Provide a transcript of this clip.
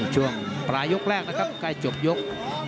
ช่วงปลายยกแรกนะครับใกล้จบยก